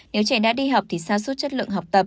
nếu trẻ đã đi học thì xa suốt chất lượng học tập